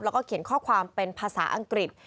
แล้วก็เขียนข้อความเป็นภาษาอังกฤษ